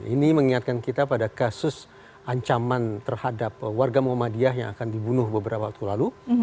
ini mengingatkan kita pada kasus ancaman terhadap warga muhammadiyah yang akan dibunuh beberapa waktu lalu